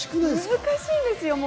難しいんですよ。